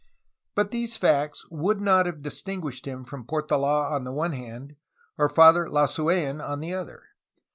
But these facts would not have distinguished him from Portold on the one hand or Father Lasuen on the other.